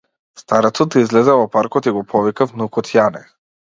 Старецот излезе во паркот и го повика внукот Јане.